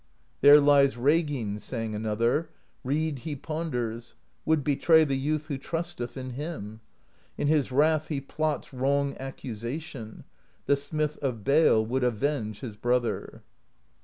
There lies Reginn — sang another — Rede he ponders, Would betray the youth Who trusteth in him: In his wrath he plots Wrong accusation; The smith of bale Would avenge his brother.